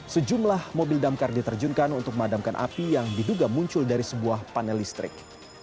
sejumlah mobil damkar diterjunkan untuk memadamkan api yang diduga muncul dari sebuah panel listrik